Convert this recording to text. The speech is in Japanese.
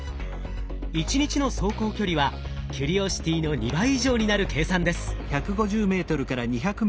１日の走行距離はキュリオシティの２倍以上になる計算です。